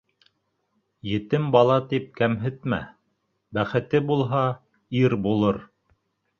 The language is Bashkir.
Етем бала тип кәмһетмә: бәхете булһа, ир булыр.